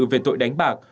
về tội đánh bạc